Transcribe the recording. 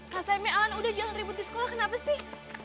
kak saime alan udah jangan ribut di sekolah kenapa sih